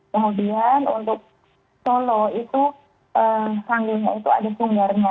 kemudian untuk solo itu sanggulnya itu ada sundarnya